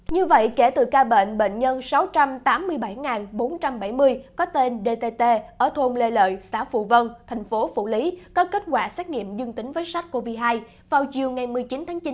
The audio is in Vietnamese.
như vậy kể từ ca bệnh bệnh nhân sáu trăm tám mươi bảy bốn trăm bảy mươi có tên dt ở thôn lê lợi xã phù vân thành phố phủ lý có kết quả xét nghiệm dương tính với sars cov hai vào chiều ngày một mươi chín tháng chín